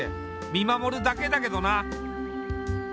見守るだけだけどな。